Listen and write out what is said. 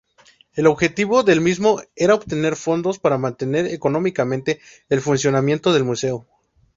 El objetivo del mismo era obtener fondos para mantener económicamente el funcionamiento del museo.